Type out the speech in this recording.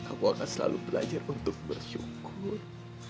aku akan selalu belajar untuk bersyukur